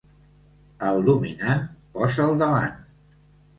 Al dominant, posa'l davant.